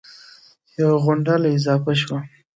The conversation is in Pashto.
یوه غونډله اضافه شوه